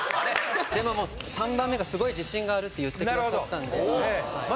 でも３番目がすごい自信があるって言ってくださったんで。